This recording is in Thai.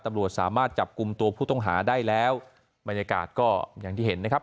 ตำรวจสามารถจับกลุ่มตัวผู้ต้องหาได้แล้วบรรยากาศก็อย่างที่เห็นนะครับ